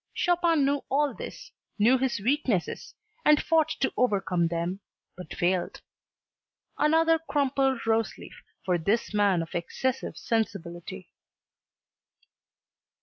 Chopin knew all this, knew his weaknesses, and fought to overcome them but failed. Another crumpled roseleaf for this man of excessive sensibility.